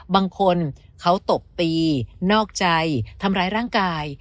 บางคนเขาตบตีนอกใจทำร้ายร่างกาย